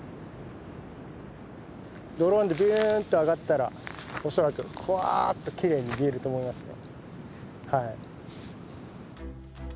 ドローンでビュンと上がったら恐らくくわっときれいに見えると思いますよ。